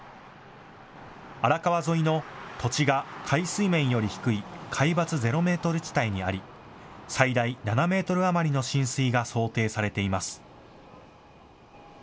荒川沿いの土地が海水面より低い海抜ゼロメートル地帯にあり最大７メートル余りの浸水が想定されています。